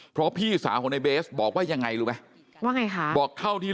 เพราะพี่สาหก่อนในเบซบอกว่ายังไงรู้ไหม